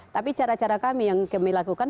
tapi cara cara kami yang melakukan